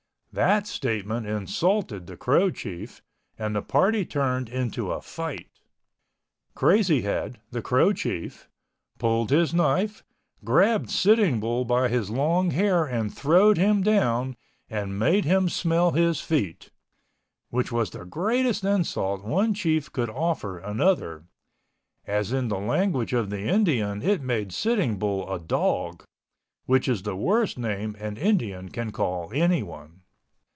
That statement insulted the Crow chief and the party turned into a fight. Crazy Head, the Crow chief, pulled his knife, grabbed Sitting Bull by his long hair and throwed him down and made him smell his feet, which was the greatest insult one chief could offer another, as in the language of the Indian it made Sitting Bull a dog, which is the worst name an Indian can call anyone.